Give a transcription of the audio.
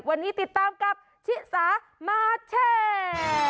วันนี้ติดตามกับชิสามาแชร์